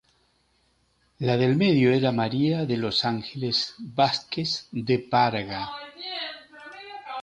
La del medio era María de los Ángeles Vázquez de Parga.